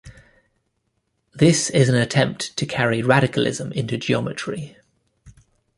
This is an attempt to carry radicalism into geometry.